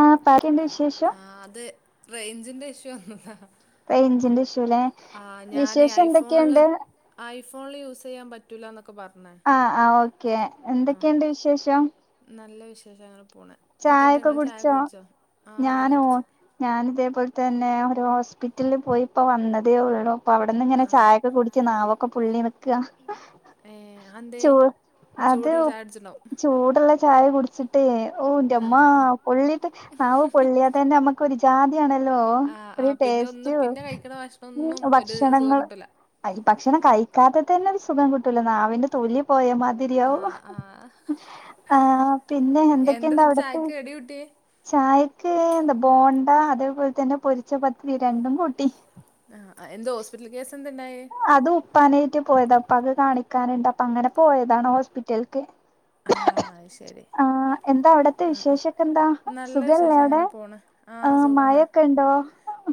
ആ പറയ് ആ അത് റേഞ്ചിന്റെ ഇഷ്യു വന്നതാ. റെയിഞ്ചിന്റെ ഇഷ്യു ആ ഞാന് ഐ ഫോണില് ഐ ഫോണില് യൂസ് ചെയ്യാൻ പറ്റൂല എന്നൊക്കെ പറഞ്ഞേ ആ ആ ഓക്കെ എന്തൊക്കെയുണ്ട് വിശേഷം വിഷേശങ്ങനെ ചായൊക്കെ കുടിച്ചോ ആ ചായ ഞാനോ കുടിച്ച് ഞാന് ഇതേപോലെ തന്നെ പിന്നെ ഒരു ഹോസ്പിറ്റലിൽ പോയി ഇപ്പോ വന്നതേ ഉള്ളൂ. അപ്പൊ അവിടന്ന് ഇങ്ങനെ ആ ചായൊക്കെ കുടിച്ച് നാവൊക്കെ പൊള്ളി നിക്കാണ്. ഏ അതെന്തേ ചൂ അത് ചൂടുള്ള ചായ കുടിച്ചിട്ടുണ്ടാവും ചൂടുള്ള ചായ കുടിച്ചിട്ടേ ആ ഓന്റുമ്മാ ആ പൊള്ളിട്ട് നാവ് പൊള്ളിയാതന്നെ അമ്മക്ക് ഒരു ജാ ണല്ലോ ആ ആ ഒരു പിന്നെ ടേസ്റ്റ് ഒന്നും പിന്നെ കഴിക്കണ ഭക്ഷണമൊന്നും ഒരു സുഖം ഭക്ഷണങ്ങള് കിട്ടൂല ഭക്ഷണം കഴിക്കാത്ത തന്നെ ഒരു സുഖം കിട്ടൂല. നാവിൻന്റെ തൊലി പോയ ആ മാതിരിയാവും ആ ആ പിന്നെ എന്ത എന്തട്ട് ചായക്ക് കടി കൂട്ടിയേ ചായക്ക് എന്താ ബോണ്ട അതേപോലെ തന്നെ പൊരിച്ച പത്തിരി രണ്ടും കൂട്ടി. ആ എന്തോ ഹോസ്പിറ്റൽ കേസ് എന്താ ഉണ്ടായേ അത് ഉപ്പാനായിട്ട് പോയതാ ഉപ്പാ കാണിക്കാനുണ്ട് അപ്പ അങ്ങനെ പോയതാണ് ഹോസ്പിറ്റൽക്ക്. ആ അയ് ശെരി. ആഹ് എന്താ അവിടത്തെ അ അ വിശേഷൊക്കെ എന്താ നല്ല സുഖല്ലേ വിശേഷം അവിടെ അങ്ങനെ പോണ്. ആ ആഹ് സുഖാണ്. മഴൊക്കെ ഉണ്ടോ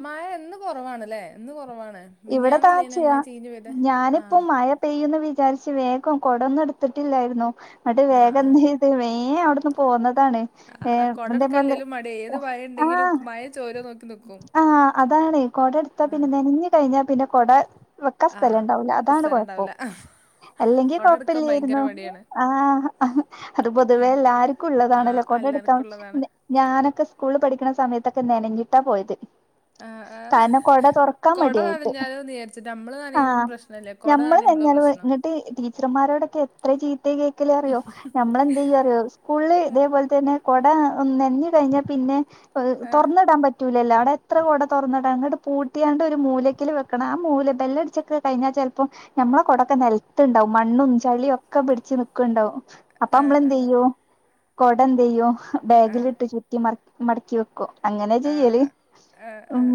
മയയിന്ന് കൊറവാണ്ല്ലേ ഇന്ന് കൊറവാണ്. ഇവിടെ താച്ച്യാ ആ ഞാനിപ്പ മഴ പെയ്യുന്ന വിചാരിച്ച് വേഗം കൊടൊന്നും എടുത്തിട്ടില്ലായിരുന്നു. എന്ന്ട്ട് ആ വേഗം ആ എന്തെയ്ത് വേഗം അവിടുന്ന് പോന്ന ആ, ആ, കുട എടുക്കാല്ലേലും മടി ഏത് മഴ ഉണ്ടെങ്കിലും മഴ ചോര നോക്കി നിൽക്കും [unintelligible] ണേ കൊട എടുത്താ പിന്നെ നനഞ്ഞു കഴിഞ്ഞാ പിന്നെ കൊട വെക്കാ ആ സ്ഥലംണ്ടാവൂല അതാണ് സ്ഥലം കൊഴപ്പം ഉണ്ടാവില്ല അല്ലെങ്കി കുട എടുക്കാൻ ഭയങ്കര കൊഴപ്പില്ലായിരുന്നു മടിയാണ് ആ അത് പൊതുവേ എല്ലാർക്കും ആ ഉള്ളതാണല്ലോ. കൊടെടുക്ക എല്ലാവർക്കും ഉള്ളതാണ് ഞാനൊക്കെ സ്കൂളിൽ പഠിക്കണ സമയത്തൊക്കെ നനഞ്ഞിട്ടാ പോയത് ആ ആ കാരണം കൊട തൊറക്കാൻ മ കുട നനഞ്ഞാലോ നീയാരിച്ചിട്ട് നമ്മള് നനയേണ് പ്രശ്നില്ല കൊട ഞമ്മള് നനയുമ്പോളാ നനഞ്ഞാല് പ്രശ്നം. ഇങ്ങട്ട് ടീച്ചർമാരോടൊക്കെ എത്ര ചീത്ത കേക്കലേ അറിയോ നമ്മളെന്തയ്യാ അറിയോ സ്കൂളിൽ ഇതേപോലെ തന്നെ കൊട നെനഞ്ഞ് കഴിഞ്ഞാൽ പിന്നെ തുറന്നിടാൻ പറ്റൂലല്ലോ അവിടെ എത്ര കൊട തുറന്നിട അങ്ങട്ട് പൂട്ടിയാണ്ട് ഒരു മൂല [unintelligible] വെക്കണം ആ മൂല് ബെല്ലടിച്ചൊക്കെ കഴിഞ്ഞാൽ ചെലപ്പോ നമ്മളെ കൊടൊക്ക നെലത്തുണ്ടാവും മണ്ണും ചളിയും ഒക്കെ ഒക്കെ പിടിച്ച് നിക്കണ്ടാവും. അപ്പൊ നമ്മളെന്തെയ്യും കൊടെന്തെയ്യും ബാഗിലിട്ട് ചുറ്റി മട മടക്കി വെക്കു‌ അങ്ങനെ ചെയ്യല് ഉം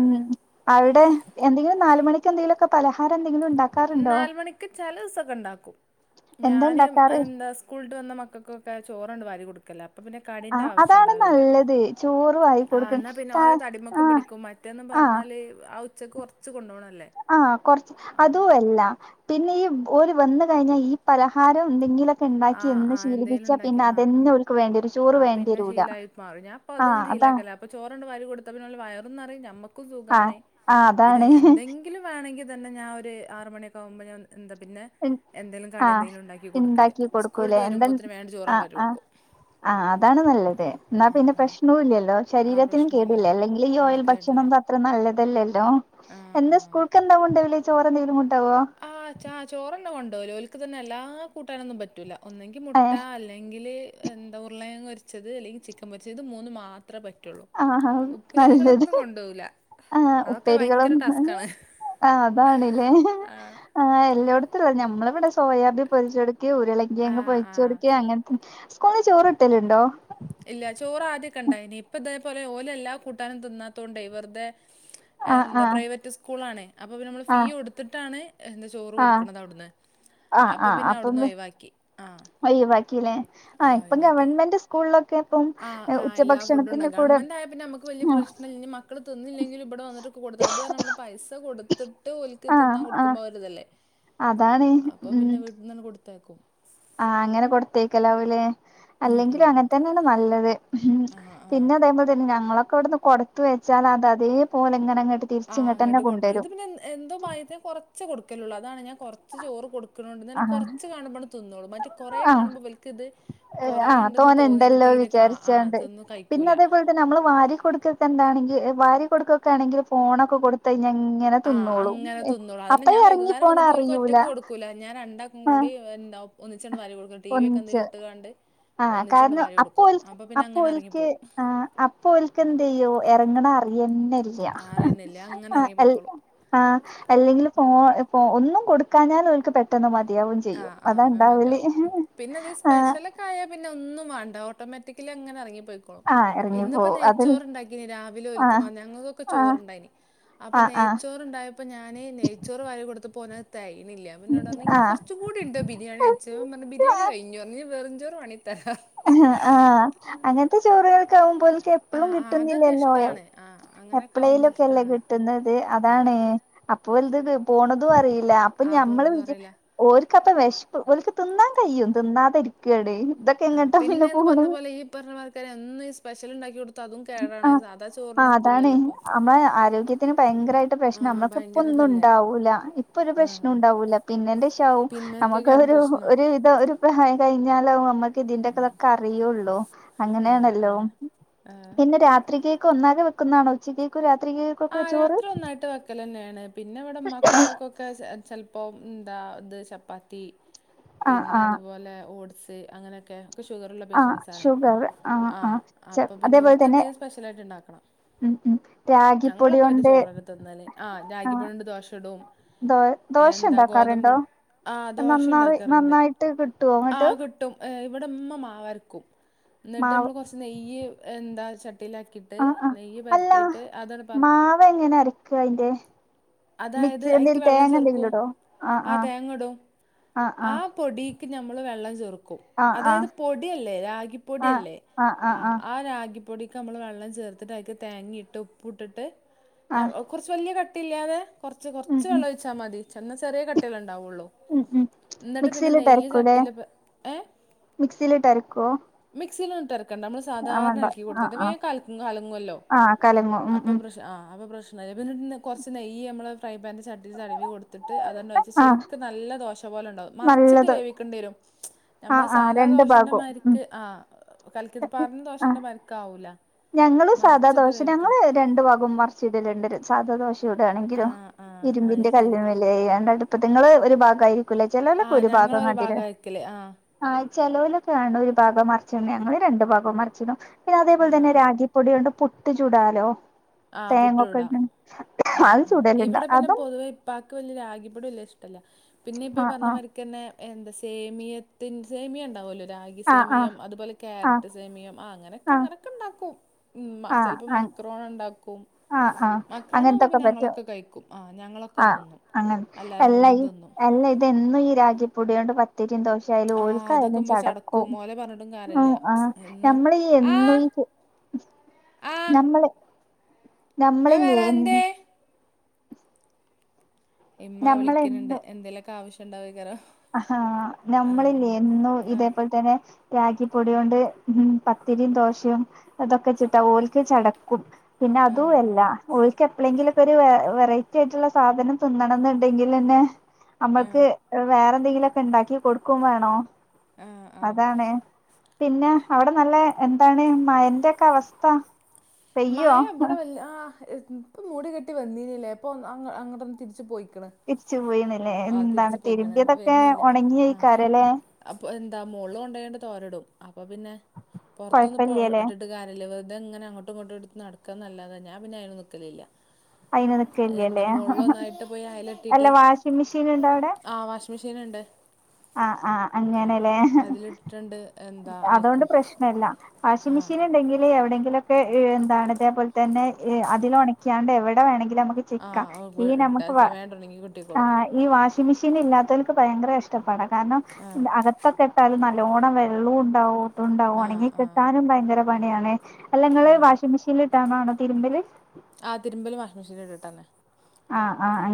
അവിടെ എന്തെങ്കിലും നാല് മണിക്ക് എന്തെലൊക്കെ പലഹാരം എന്തെങ്കിലും ഉണ്ടാക്കാറുണ്ടോ നാല് മണിക്ക് ചെലസിം ഉണ്ടാക്കും എന്താ ഞാൻ ഇണ്ടാക്കാറ് എന്താ സ്കൂളട്ട് മക്കക്കൊക്കെ ചോറണ്ട് വാരി കൊടുക്കലാ അപ്പ പിന്നെ ആ കടേന്റെ ആവശ്യം അതാണ് ഇണ്ടാവില്ല നല്ലത് ചോറ് വാരി ആ കൊടുക്കണ് എന്നാ പിന്നെ കാ ഓരോ തടിമക്കും ആഹ് പിടിക്കും മറ്റേന്നും പറഞ്ഞാല് ആ ഉച്ചക്ക് കൊർച്ച് കൊണ്ടേണ ആ കൊറച്ച് അതു അല്ല പിന്നെ ഈ ഓര് വന്ന കയിഞ്ഞാ ഈ പലഹാരം എന്തെങ്കിലൊക്കെ ആ ആ ഇണ്ടാക്കിന്നും എന്തെങ്കിലും ശീലിപ്പിച്ചാ ഉണ്ടാക്കി പിന്നെ ആ അതന്നൊൽക്ക് വേണ്ടയരും ചോറ് വേണ്ടിരൂല ആ ഇങ്ങാക്കലാ അപ്പം ചോറ് വാരി കെ കെടുത്തപിന്ന ഓൽക്ക് വയറുനറയും ഞമ്മക്കും ആഹ് സുഖാണ് ആഹ് പിന്നെ അതാണ് എന്തെങ്കിലും വേണ്ടെങ്കിൽ അതന്നെ ഞാൻ ഒരു ആറ് മണിയൊക്കെ ആകുമ്പോഴ് ഞാൻ എന്താ പിന്നെ എന്തെലും കടി ആഹ് എന്തെലും ഉണ്ടാക്കി കൊടുക്കല് ഇണ്ടാക്കി സ്കൂളട്ട് കൊടുക്കൂലേ വരുമ്പോത്തേന് വേണ്ട ചോറ് വാരി കൊടുക്കും ആ അതാണ് നല്ലത് എന്നാ ആ പിന്നെ ആ പ്രശ്നുല്ലില്ലല്ലോ ആ ശരീരത്തിനും പ്രശ്നമില്ല കേടില്ല അല്ലെങ്കിൽ ഈ ആ ഓയിൽ കേടില്ല ഭക്ഷണം അത്ര നല്ലതല്ലല്ലോ ആ ആ എന്താ സ്കൂൾക്ക് എന്താകൊണ്ടോയല് ചോറെന്തെലും കൊണ്ട് ആ ച ചോറന്നെ കൊണ്ടോയല് ഒലക്ക് തന്നെ എല്ലാ കൂട്ടാനൊന്നും പറ്റൂല ഒന്നെങ്കിൽ മുട്ട ഏഹ് അല്ലേൽ എന്താ ഉരുളകേയങ്ങ് പൊരിച്ചത് അല്ലെങ്കിൽ ചിക്കൻ പൊരിച്ചത് ഇത് മൂന്ന് മാത്രം പറ്റു ആഹാ നല്ലത് ഉപ്പേരികളൊന്നും കൊണ്ടാവുല അതൊക്കെ ഭയങ്കര ടാസ്കാണ് ആ അതാണിലേ ഹ് ഹി നമ്മളി ഇവിടെ സോയാബി പൊരിച്ചെട്കി ഉരുളങ്കി ആ യങ്ങ് ആ പൊരിച്ചെട്കി അങ്ങൻത്തെ സ്കൂള്ചോറ് കിട്ടല്ണ്ടോ ഇല്ല ചോറ് ആദ്യൊക്കെ ഇണ്ടായിനി ഇപ്പ ഇതേപോലെ ഓല് എല്ലാ കൂട്ടാനും തിന്നാത്തോണ്ട് വെർതെ ആഹ് എന്താ ആഹ് പ്രൈവറ്റ് സ്കൂളാണേ അപ്പൊ നമ്മള് ഫീ ആഹ് കൊടത്തിട്ടാണ് എന്താ ചോറ് കൊടുക്കണത് അവിടന്ന് ആ ആ അയ്യോ വെക്കല്ലേ ആ ഇപ്പം ഗവൺമെന്റ് സ്കൂൾളൊക്കെ ആഹ് ആഹ് എല്ലാ ഫുഡ് ഉണ്ട് ഗവൺമെൻ്റായ പിന്നെ നമ്മക്ക് വല്ല്യ പ്രശ്നില്ല മക്കള് തിന്നില്ലെങ്കിലും ഇബിടെ വന്നിട്ട് കൊടുക്ക ഇത് നമ്മള് പൈസ കൊടുത്തിട്ട് ഒല്ക്ക് ആഹ് തിന്നാ ആഹ് കൊടുക്കമ്പോരിതല്ലേ അതാണ് ഉണ്ടാക്കും ആ അങ്ങനെ കൊടുത്തയക്കലാവൂലേ ഉം അല്ലെങ്കിലും ഉം ഉം. അങ്ങതന്നെയാണ് നല്ലത് ഉം ആ ആ പിന്നെ അതേപോൽ തന്നെ ഞങ്ങളൊക്കെ ഇവിടെന്ന് കൊടുത്തവെച്ചാൽ അത് അതേ പേലെങ്ങനെ ഇങ്ങട് ആ ഇങ്ങട്ട് കൊണ്ടരും ഇത് പിന്നെ എന്തോ ഭാഗ്യത്തിന് കൊറച്ചേ കൊടുക്കലള്ളൂ അതാണ് ഞാൻ കുറച്ച് ചോറ് കൊടുക്കണണ്ട് ഞൻ ആഹ് കുറച്ച് കാണുമ്പോ തിന്നോളൂ മറ്റ് കൊറ ആഹ് കാണുമ്പോ ഇവൽക്കിത് കൊറെ ആഹ് ഇണ്ടന്ന് തോനെ തോന്നി തീരെ ആ ആ തിന്നും കഴിക്കൂല അതുപോൽതന്നെ നമ്മള് വാരികൊടുക്കതന്നെണെങ്കിൽ വാരി കൊടുക്ക ക്കാണെങ്കിൽ ഫോണൊക്കെ കൊടുത്ത ആഹ് അങ്ങനെതിന്നളോ അപ്പ അതന്നെ ഞാൻ ഇറങ്ങി വൈകുന്നേരം പോണ വന്നിട്ട ഓൽക്ക് അറിയൂല ഒറ്റയ്ക്ക് കൊടുക്കൂല ഞാൻ രണ്ടാക്കും ആഹ് മുടി എന്ത ഒന്നിച്ചിങ്ങട് വാരി കൊടുക്കൂല ടി വി ഒക്കെ എന്തേലും ഇട്ടുകാണ്ട് ആ കാരണം അപ്പോൽ അപ്പോൽക്ക് ഇറങ്ങിപ്പോവും ആ അപ്പോഓൽക്ക് എന്തയ്യു ഇറങ്ങണ അറിയെന്നെ ഇല്ല അറിയുന്നില്ല അങ്ങനെ ഇറങ്ങി പോയിക്കോളും അ എല്ലെങ്കിൽ ഫോണ് ഫോണ് ഒനും കൊടുക്കാഞ്ഞാൽ ഓൽക്ക് പെട്ടെന്ന് മതിയാവും ചെയ്യും ആഹ് ആഹ് അത് അതാണ്ടാവല് മതിയാവും ഹ് പിന്നെ ഇത് ആ സ്പെഷ്യലൊക്കെ ആയാൽ പിന്നെ ഒന്നും വാണ്ട ഓട്ടോമാറ്റിക്കിലി അങ്ങനെ എറങ്ങി പോയിക്കോളും ആഹ് ഇന്നിപ്പ എറങ്ങിപ്പോവും അതിൽ നെയ്ച്ചോറണ്ടാക്കിന് രാവിലെ ഒൽക്കു ആഹ് ഞങ്ങളൊക്കെ ആഹ് ചോറണ്ടായിനി അപ്പൊ ആഹ് നെയ്ച്ചോറണ്ട ഉണ്ടായപ്പം ഞാന് നെയച്ചോറ് വാരികൊടുത്തപ്പ അപ്പോന് തേയിനില്ല പിന്നന്നോട് പറഞ്ഞ ആഹ് കുറച്ച കൂടി ഇട് ബിരിയാണി ഞാനപറഞ്ഞ ബിരിയാണി കയിഞ്ഞ് ഇനി ബെറുച്ചോറ് ആ ആ അങ്ങത്തെ ചോറുകൾക്കെ ആവുമ്പോലേക്ക എപ്പഴും ആഹ് ആഹ് അതൊക്കെ കിട്ടുന്നില്ലല്ലോ ഇഷ്ടാണ് ആഹ് അങ്ങനൊക്കെ ആവുമ്പോ എപ്പളയിലൊക്കെല്ലേ ഇഷ്ടാണ് കിട്ടുന്നത് അതാണ് അപ്പൊ വലുത് പോണതും അറിയില്ല അപ്പൊ ആ ഞമ്മള് പോണതും വിച്ചിരിക്കും അറിയില്ല ഒൽക്ക് അപ്പ വെശകും ഓലക്ക് തിന്നാൻ കഴിയും തിന്നാതിരിക്കാണ് ഇതൊക്കെ ആ എങ്ങട്ടാ പിന്നെ പോണ് പിന്നെന്ന്പറഞ്ഞ പോലെ ഈ പറഞ്ഞമാരിക്ക എന്ന് ഈ സ്പെഷ്യൽ ഉണ്ടാക്കി കൊടുത്ത ആ ആ അതാണ് ഇപ്പോൾ നമ്മള ആരോഗ്യത്തിന് ഭയങ്കരായിട്ട് ആ പ്രശ്നം നമ്മളക്ക ഇപ്പൊ ഭയങ്കരതല്ലേ ന്ന്ണ്ടാവൂല ഇപ്പൊ ഒരു ആ പ്രശ്നം ആ ഉണ്ടാവൂല പിന്നെന്റെ ശേഷാവും പിന്നൊക്കെ നമുക്ക് കാര്യം ഒരു പ്രശ്നം ഒരു ഇത് കഴിഞ്ഞാലോ നമ്മക്ക് ഇതിന്റെ ഒക്കെ ഇതൊക്കെ അറിയൊള്ളു ആ ആ അങ്ങനേണല്ലോ ആ പിന്നെ രാത്രിക്കേക്ക് ഒന്നാകെ വെക്കുന്നതണോ ഉച്ചേക്കും രാത്രി ആ രാത്രി ഒന്നായിട്ട് വക്കലന്നേണ് പിന്നെ ഇവിടെ ഉമ്മാക്കും ഉപ്പാക്കൊക്കെ ചെലപ്പോ പ്പോ എന്താ ഇത് ചപ്പാത്തി ആഹ് പിന്നെ ആഹ് അതുപോലെ ഓട്സ് അങ്ങനെയൊക്കെ ഷുഗറുള്ള ആഹ് പേഷ്യൻറ്സ് ആണേ ഷുഗർ ആഹ് ആ ആഹ് ച അപ്പൊ പിന്നെ അതേപോലെ ഓൽക്ക് തന്നെ എന്തേലും സ്പെഷ്യൽ ആയിട്ട് ഇണ്ടാക്കണം ഉം ഉം രാ ഞങ്ങളൊക്കെ പിന്നെ ചോറന്നേ തിനല് ആ ആഹ് രാഗിപൊടിയൊണ്ട് ദോശ ചുടും ദോ ദോശ എന്താ ഗോതമ്പ് ഉണ്ടാക്കാറുണ്ടോ? ആ ദോശ നന്നാറി ഉണ്ടാക്കാറുണ്ട് നന്നായിട്ട് കിട്ടോ ഇങ്ങട്ട് ഇവിടെമ്മ മാവരക്കും ഇന്നിട്ട് മാവ് നമ്മള് കുറച്ച് നെയ്യ് എന്ത ച ട്ടിയിലാക്കിയിട്ട് ആഹ് ആഹ് നെയ്യ് അല്ല പരത്തിയിട്ട് അതാണ് പറ മാവ് എങ്ങനെ അരക്ക അയിന്റെ അതായത് മിക്സി ഐക്ക് എന്തെലും വെള്ളം തേങ്ങ ചേർക്കും എന്തെങ്കിലും ഇടോ ആഹ് ആ തേങ്ങ ഇടും ആഹ് ആ ആഹ് പൊടി ക്ക് നമ്മള് വെള്ളം ചേർക്കും ആഹ് അതായത് ആഹ് പൊടിയല്ലേ രാഗി ആഹ് പൊടിയല്ലേ ആഹ് ആഹ് ആ ആഹ് ആഹ് ആ രാഗി പൊടിക്ക് നമ്മൾ വെള്ളം ചേർത്തിട്ട് അയിക്ക് തേങ്ങയിട്ട് ഉപ്പുട്ടിട്ട് ആഹ് കുറച്ച് വല്യ ക കട്ടില്ലാതെ കൊറച്ച് ഉം കൊറച്ച് ഉം വെള്ളൊഴിച്ചാ മതി എന്ന ചെറിയ കട്ടില്ലാണ്ട് ണ്ടാവൊള്ള ഉം ഉം എന്നിട്ട് പിന്നെ മിക്സിയിലിട്ട് നെയ്യ് അരക്കൂല്ലേ ചട്ട്ടീല് ഏ മിക്സിയിലിട്ട് അരക്കോ മിക്സിയിലിട്ട് അര ക്കണ്ട നമ്മ സാധാരണ എളക്കി കൊടുത്ത വേം ആഹ് കല കലങ്ങോലോ ആഹ് കലങ്ങും ഉം അപ്പൊ ഉം ആ [unintelligible] പിന്നേ കൊറച്ച് നെയ്യ് നമ്മൾ ഫ്രൈ പാനന്റെ ചട്ടിയിൽ തടവി കൊടുത്തിട്ട് അതോണ്ട് ഒഴിച്ച് ആഹ് ശരിക്ക് നല്ല ദോശ പോലെ ഉണ്ടാവും മറിച്ചിട്ട് നല്ലത് വേവിക്കേണ്ടി വരും ആഹ് നമ്മളെ ആഹ് സാധാ രണ്ട് ഭാഗവും ഉം ദോഷന്റെമാരിക്ക് ആ കലക്കി ഇത് പാറഞ്ഞ ആ ദോഷന്റെ മാരിക്ക് ആവൂല ഞങ്ങള് സാദാ മറിച്ചിട്ട് ദോശ വേവിക്കാ ഞങ്ങള് രണ്ടു ബാഗോം മറിച്ച് ഇടലിണ്ട് സാദാദോശ ആ ചൂടേണെങ്കിലോ ആ അത് ഇരുമ്പിന്റെ ശരി കല്ലാണ്ലേ അതിണ്ട് അടുപ്പത്ത് നിങ്ങള് ഒരു ഭാഗായി ക്കുല ആ ചെലോലൊക്കെ ഒരു ഭാഗം ഞങ്ങളൊരു കണ്ടിന് ഭാഗാ വെക്കല് ആ ചെലോലൊക്കെ കാണ ഒരു ഭാഗം മറിച്ചിടണ് ഞങ്ങള് രണ്ടു ഭാഗം മറിച്ചിടും പിന്നെ അതേപോലെ ആ ആ തന്നെ റാഗി പൊടിയോണ്ട് പുട്ട് ചുടാലോ ആ തേങ്ങൊക്കെ പുട്ടൂടാ ഇട്ട് ആ അത് ആ ചുടലുണ്ട് ഇവിടെ പിന്നെ അതും പൊതുവെ ഇപ്പാക്ക് വല്യ രാഗിപ്പൊടി വല്യ ല്ല പിന്നെ ഇപ്പ ഈ ആഹ് പറഞ്ഞ ആഹ് മാരിക്കന്നെ എന്താ സേമിയത്തിന്റെ സേമിയ ഉണ്ടാവോലോ രാഗി ആഹ് സേമിയം അതുപോലെ ആഹ് ക്യാരറ്റ് സേമിയം ആ അങ്ങനെയൊക്കെ ആഹ് ഇങ്ങനെയൊക്കെ ഉണ്ടാക്കും ഉമ്മ ആഹ് ചിലപ്പോൾ ആഹ് ആഹ് മക്രോണ ഇണ്ടാക്കും ആഹ് ആഹ് മക്രോണ അങ്ങനത്തൊക്കെ പിന്നെ പറ്റും ഞങ്ങളൊക്കെ കയിക്കും ആ ഞങ്ങളൊക്കെ ആഹ് തിന്നും അങ്ങനെ എല്ലാരും അല്ല കൂടി ഈ തിന്നും അല്ല ഇതെന്നും ഈ രാഗിപ്പൊടിയോണ്ട് പത്തിരിയും ദോശേം യാലും ആ ഓൽക്കായാലും അതൊക്കെകുമ്പോ ചടക്കും ഓലെ പറഞ്ഞിട്ടും കാര്യല്ല ആ എന്നും നമ്മളീ ആ എന്നും ആ നമ്മള് ഞാൻ നമ്മളില്ലേ വരാ എന്തേ ഇമ്മ വിളിക്കിണിണ്ട് എന്തേലൊക്കെ ആവശ്യുണ്ടാവിയ്ക്കാരം ആ നമ്മളില്ലേ എന്നും ആഹ് ഇതേപോലെ തന്നെ രാഗി പൊടിയോണ്ട് ഉം പത്തിരിയും ദോശയും അതൊക്കെചിട്ട ഓൽക്ക് ചടക്കും പിന്നെ അതും ആഹ് അല്ല ആഹ് ഓൽക്ക് എപ്പളെങ്കിലും ഒരു വെറൈറ്റി ആയിട്ടുള്ള സാധനം തിന്നണന്നുണ്ടെങ്കിലന്നെ നമ്മൾക്ക് ആഹ് വേറെ എന്തെങ്കിലൊക്കെ ഉണ്ടാക്കി കൊടുക്കും വേണോം ആഹ് ആഹ് അതാണ് പിന്നെ അവിടെ നല്ല എന്താണ് മയന്റെ ഒക്കെ അവസ്ഥ പെയ്യോ മയ ഇവിടെ വല്ലാ ആ ഇപ്പ മൂടി കെട്ടി വന്നീനല്ലേ ഇപ്പൊ അങ്ങടന്നേ തിരിച്ച് പോയി തിരിച്ചുപോയിന്നല്ലേ എന്താണ് പോയിക്കണ് തിരുമ്പിയതൊക്കെ വരുന്നില്ല ആഹ് ഒണങ്ങായിക്കാരം ലേ അപ്പൊ എന്താ മോളിൽ കൊണ്ടോയിണ്ട് തോരടും അപ്പൊ പിന്നെ പുറത്തൊന്നും കൊഴപ്പില്ലല്ലേ ഇട്ടിട്ട് കാര്യല്ല വെറുതെ അങ്ങനെ അങ്ങോട്ട് ഇങ്ങട്ടും എടുത്ത് നടക്കാന്നല്ലാതേ ഞാൻ പിന്നെ അതിന് നിക്കലില്ല അയിന് എന്താ നിക്കല്ലേല്ലേ ഹിഹി മോളിലൊന്നായിട്ട് പോയി അല്ല അയലെട്ടിയിട്ട് വാഷിഗ് മെഷീൻ ഇണ്ടോ അവിടെ മിഷീന്ണ്ട് ആ ആ അങ്ങനെല്ലേ അതിലിട്ടിട്ടുണ്ട് എന്താ അതോണ്ട് അലക്കും പ്രശ്നല്ലാ വാഷിം ആഹ് മിഷീൻ ഇണ്ടെങ്കിൽ എവിടെങ്കിലൊക്കെ ഏയ് ന്താണ് ഇതേപോൽത്തന്നെ എ അതിൽ ഒണക്യണ്ട് എവിടെ വേണ ലമ്മക്ക് ചിക്ക ആഹ് അവൾക്ക് ഈ ഇട്ടാ ഞമ്മക്ക് വ വേണ്ടുണ്ടെങ്കിൽ ആ കിട്ടിക്കോളും ഈ വാഷിഗ് മെഷീൻ ഇല്ലാതോൽക്ക് ഭയങ്കരം വിഷ ത്തപ്പാടാ കാരണം ആഹ് അകത്തൊക്കെട്ടാല് നല്ലോണം വെള്ളൂണ്ടാവും തുണ്ടാവും ആഹ് ഒണങ്ങി ആഹ് കിട്ടാനും ഭയങ്കര പണിയാണ് അല്ല ങ്ങള് ആഹ് വാഷിംഗ് മിഷീൻൽ ഇട്ടാണ്ടാണോ തിര്മ്പല് തന്നെ ആ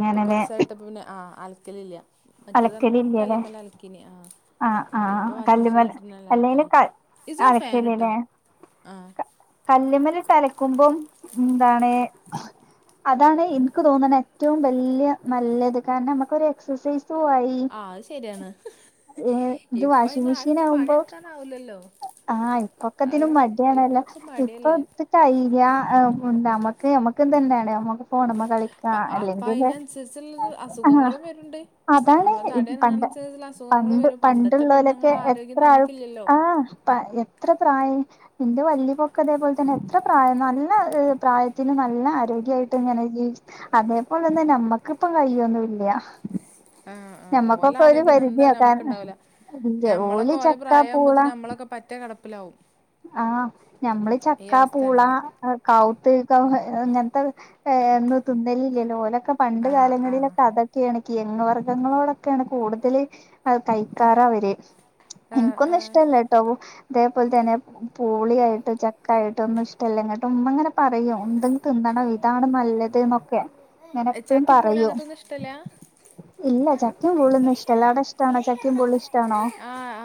ഇപ്പൊ കാെർച്ചായ്ട്ട് പ്പ പിന്നെ ആ അൽക്കലില്ല മറ്റെത്ർഞ്ഞ കല്ല്മലൽക്കിനി ആ ആ ആ കല്ല്മല് അല്ലേലും ക ഇജോ അലക്കല് ഫാനിട്ടോ ലേ ആഹ് ക കല്ല്മല്ട്ടലക്കുമ്പം ന്താണ് അതാണ് ഇൻക്ക് തോന്ന്ണ ഏറ്റവും വല്ല്യ നല്ലത് കാരണം നമുക്കൊരു എക്സസൈസ് ആ അത് ശെര്യാണ് ഏഹ് ഇത് ഇപ്പ അയ്നാര്ക്കും പണിട്ക്കാനാവൂല്ലല്ലോ ആ ഇപ്പൊക്കത്തിനും മട്യായണല്ലോ ഇപ്പൊക്കെ ഇപ്പ മടിയല്ലേ ഇട്ത്ത് കയ്ഞ്ഞാ ഏ മുണ്ടാ നമ്മക്ക് നമ്മക്ക്തെന്നേണ് ഞമ്മക്ക് ഫോണ് മ പ്പ അപ്പ അയ്നൻസരിച്ച്ള്ളത് ആഹ് അസുഖങ്ങളും വര്ണ്ട് അതാണ് പണ്ട് പണ്ട് വരും പണ്ടത്തെ പണ്ട്ള്ളോലെക്കെ പെണ്ണുങ്ങളെ ആരോഗ്യം എത്ര ആൾ നമുക്കില്ലല്ലോ ആ എത്ര പ്രായം ഇന്റെ വല്ലിപ്പൊക്കെ തേപോൽതന്നെ എത്ര പ്രായം നല്ല ഹ് പ്രായത്തില് നല്ല ആരോഗ്യായിട്ട് ഇങ്ങനെ ജീവിച് അതേപോലെ തന്നെ നമ്മക്കിപ്പം കയ്യാെന്നും ഇല്ല്യാ ആ ആ ഓലാരോഗ്യാെന്നും എന്തായാലും കാരണം ഞമ്മക്ക്ണ്ടാവുലാ ഇല്ല ഞമ്മളൊക്കൊ ഓല് ഓലെ ചക്ക പ്രായാവുമ്പോത്ത്ന് നമ്മളൊക്കെ പറ്റെ കെടപ്പിലാവും ആ ഞമ്മള് ചക്ക പൂള അവസ്ഥയാണെങ്കിൽ അ കാവൂത്ത് കൗ ഏ ഇങ്ങൻത്തെ ഏ ന്ന് തിന്നലില്ലല്ലോ ഓലൊക്കെ പണ്ട് ആ ആ കാലങ്ങളിലൊക്കെ അതൊക്കേണ് കിഴങ്ങ് വർഗങ്ങളോടൊക്കെയാണ് കൂട്തല് അ കൈക്കാറവര് ആ ആ ഇൻക്കൊന്നും ഇഷ്ടല്ലട്ടോ തേപോൽതന്നെ പൂളിയായിട്ടും ചക്കായിട്ടാെന്നും ഇഷ്ടല്ല ങ്ങട്ട് മ്മ ങ്ങനെ പറയും തും തിന്നണം ഇതാണ് നല്ലത് ന്നൊക്കെ ങ്ങനെ എപ്പഴും ചക്കിം പൂളീം പറയും അങ്ങനത്തൊന്നും ഇഷ്ടല്ല ഇല്ല ചക്കിം പൂളിം ഒന്നും ഇഷ്ടല്ല അവ്ടെ ഇഷ്ട്ടാണോ ചക്കിം പൂളീം ഇഷ്ട്ടാണോ?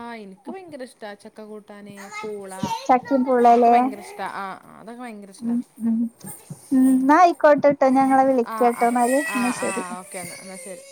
ആ ഇൻക്ക് ഭയങ്കര ഇഷ്ടാ ച്ച് ക്ക കൂട്ടാന് പൂള ചക്കിം ഒക്കെ പൂളല്ലേ ഭയങ്കര ഇഷ്ടാ ആ അതൊക്കെ ഭയങ്കര ഇഷ്ടാ ഉം ഉം ഉം ന്നാ അയ്ക്കോട്ടെട്ടോ ഞാ ങ്ങളെ വി ആ ആ ആ ആ ഓക്കെ ന്നാ എന്നാ ശെരി